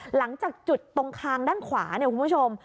หลังจากจุดตรงคางด้านขวาเนี่ยคุณผู้ชม